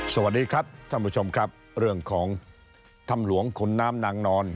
สวัสดีครับท่านผู้ชมครับเรื่องของถ้ำหลวงขุนน้ำนางนอน